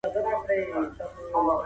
چا ته د عيب خطاب مه کوئ.